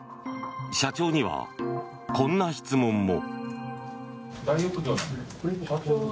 社長にはこんな質問も。